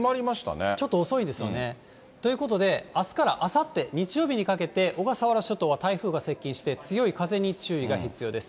ちょっと遅いんですよね。ということで、あすからあさって日曜日にかけて、小笠原諸島は台風が接近して強い風に注意が必要です。